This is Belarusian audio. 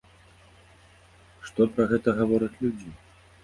Што пра гэта гавораць людзі?